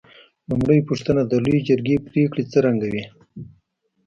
لومړۍ پوښتنه: د لویې جرګې پرېکړې څرنګه وې؟